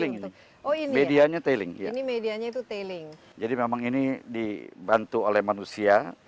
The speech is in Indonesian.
ini juga tailing ini medianya tailing ini medianya itu tailing jadi memang ini dibantu oleh manusia